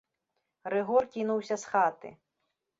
Рыгор кінуўся з хаты.